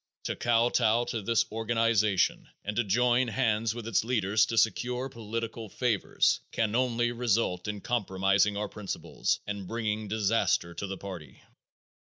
To kowtow to this organization and to join hands with its leaders to secure political favors can only result in compromising our principles and bringing disaster to the party.